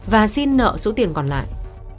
và xin nợ số tiền còn lại